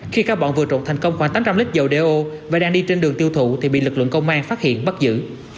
khi các bọn vừa trộn thành công khoảng tám trăm linh lít dầu đeo và đang đi trên đường tiêu thụ thì bị lực lượng công an phát hiện bắt giữ